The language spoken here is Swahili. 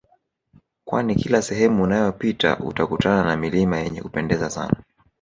Kwani kila sehemu unayopita utakutana na milima yenye Kupendeza sana